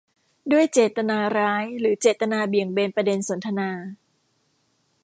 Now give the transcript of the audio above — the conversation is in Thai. ด้วยเจตนาร้ายหรือเจตนาเบี่ยงเบนประเด็นสนทนา